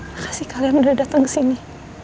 makasih kalian udah dateng kesini